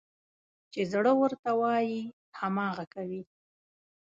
چې زړه ورته وايي، هماغه کوي.